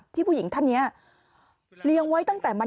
ผู้หญิงท่านนี้เลี้ยงไว้ตั้งแต่มา